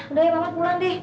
udah ya mama pulang deh